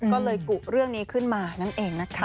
ก็เลยกุเรื่องนี้ขึ้นมานั่นเองนะคะ